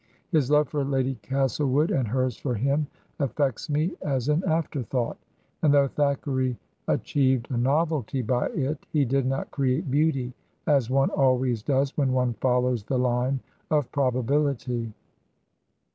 His love for Lady Castlewood and hers for him affects me as an afterthought; and though Thackeray achieved a novelty by it, he did not create beauty, as one always does when one follows the line of probability.